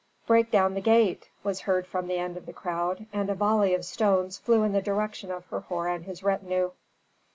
"Break down the gate!" was heard from the end of the crowd, and a volley of stones flew in the direction of Herhor and his retinue.